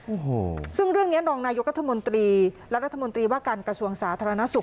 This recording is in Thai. โอ้โหซึ่งเรื่องนี้รองนายกรัฐมนตรีและรัฐมนตรีว่าการกระทรวงสาธารณสุข